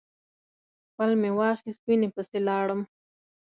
پل مې واخیست وینې پسې لاړم.